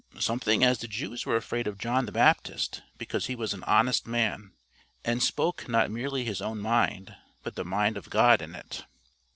"Something as the Jews were afraid of John the Baptist, because he was an honest man, and spoke not merely his own mind, but the mind of God in it."